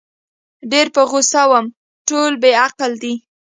ډېر په غوسه وم، ټول بې عقله دي.